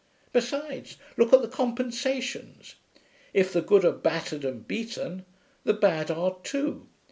Besides, look at the compensations. If the good are battered and beaten, the bad are too.